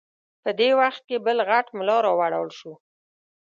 په دې وخت کې بل غټ ملا راولاړ شو.